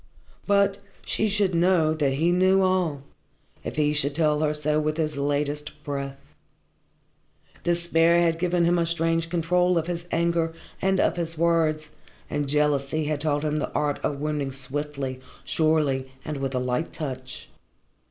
But she should know that he knew all, if he told her so with his latest breath. Despair had given him a strange control of his anger and of his words, and jealousy had taught him the art of wounding swiftly, surely and with a light touch.